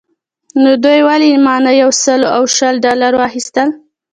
نو دوی ولې مانه یو سل او شل ډالره واخیستل.